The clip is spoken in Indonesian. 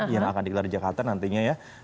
yang akan dikelari jakarta nantinya ya